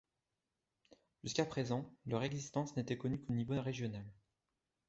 Jusqu'à présent, leur existence n'était connue qu'au niveau régional.